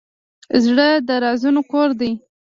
زړه د رازونو کور دی.